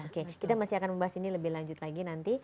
oke kita masih akan membahas ini lebih lanjut lagi nanti